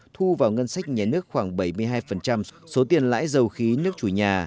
thu vào ngân sách nhé nước khoảng bảy mươi hai số tiền lãi dầu khí nước chủ nhà